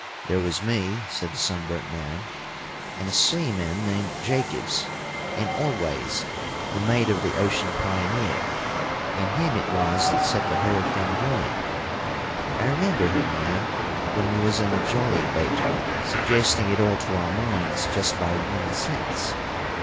"There was me," said the sunburnt man, "and a seaman named Jacobs, and Always, the mate of the Ocean Pioneer. And him it was that set the whole thing going. I remember him now, when we was in the jolly boat, suggesting it all to our minds just by one sentence.